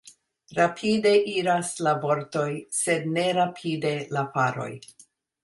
Rapide iras la vortoj, sed ne rapide la faroj.